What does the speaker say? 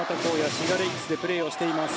滋賀レイクスでプレーをしています。